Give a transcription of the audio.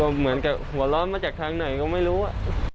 เหมือนกับหัวร้อนมาจากทางไหนก็ไม่รู้